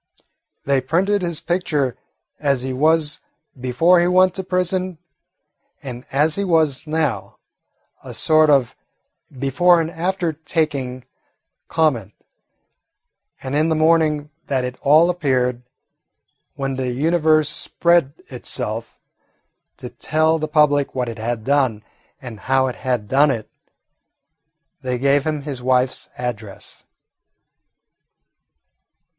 They printed his picture as he was before he went to prison and as he was now, a sort of before and after taking comment, and in the morning that it all appeared, when the Universe spread itself to tell the public what it had done and how it had done it, they gave him his wife's address.